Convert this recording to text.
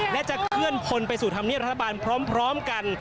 และจะเคลื่อนพลไปสู่ธรรมเนียบรัฐบาลพร้อมกัน